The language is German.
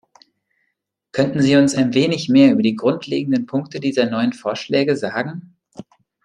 Könnten Sie uns ein wenig mehr über die grundlegenden Punkte dieser neuen Vorschläge sagen?